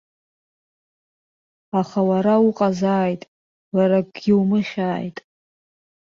Аха уара уҟазааит, уара акгьы умыхьааит!